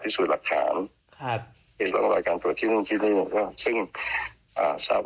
เดีอะเราก็จะมีการส่งกันสิ่งที่นี่เนี่ยนะครับ